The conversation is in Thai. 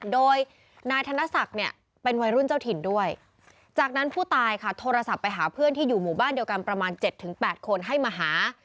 โดยนายธนศักดิ์เนี่ยเป็นวัยรุ่นเจ้าถิ่นด้วยจากนั้นผู้ตายค่ะโทรศัพท์ไปหาเพื่อนที่อยู่หมู่บ้านเดียวกันประมาณ๗๘คนให้มาหา